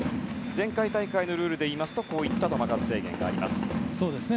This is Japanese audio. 前回大会のルールですとこういった球数制限があります。